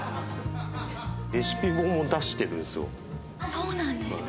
レシピ本を出してるんですよ。